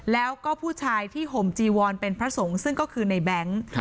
แล้วก็ผู้ชายที่ห่มจีวรเป็นพระสงฆ์ซึ่งก็คือในแบงค์